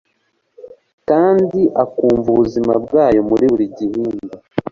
kandi akumva ubuzima bwayo muri buri gihimba